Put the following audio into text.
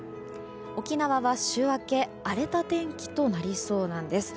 沖縄は週明け荒れた天気となりそうなんです。